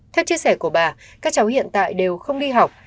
theo chia sẻ của bà các cháu hiện tại đều không đi học